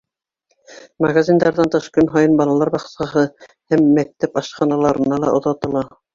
Магазиндарҙан тыш, көн һайын балалар баҡсаһы һәм мәктәп ашханаларына ла оҙатыла.